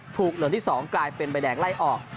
เหลืองที่๒กลายเป็นใบแดงไล่ออก